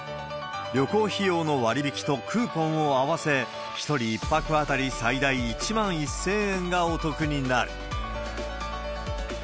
旅行費用の割引とクーポンを合わせ、１人１泊当たり最大１万１０００円がお得になる。